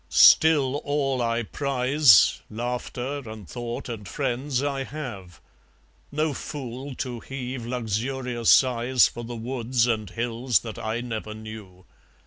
Still all I prize, Laughter and thought and friends, I have; No fool to heave luxurious sighs For the woods and hills that I never knew.